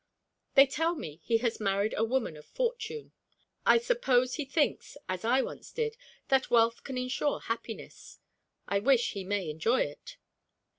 They tell me he has married a woman of fortune. I suppose he thinks, as I once did, that wealth can insure happiness. I wish he may enjoy it.